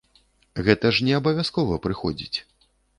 Гэта ж не абавязкова прыходзіць.